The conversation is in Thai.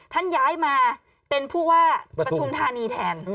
ท่านย้ายมาเป็นผู้ว่าปฐุมธานีแทน